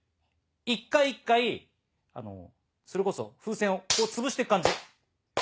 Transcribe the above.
一回一回それこそ風船をこうつぶしてく感じ。